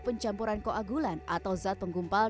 pencampuran koagulan atau zat penggumpal